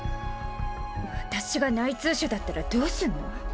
私が内通者だったらどうすんの？